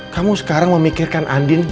kamu sekarang memikirkan andin